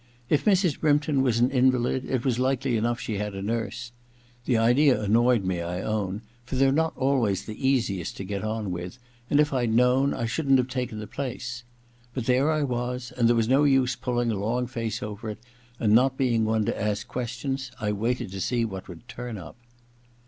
If Mrs. Brympton was an invalid it was likely enough she had a nurse. The idea annoyed me, I own, for they're not always the easiest to get on with, and if I'd known I shouldn't have taken the place. But there 126 THE LADY'S MAID'S BELL i I was and there was no use pulling a long face over it ; and not being one to 3^ questions I waited to see what would turn up.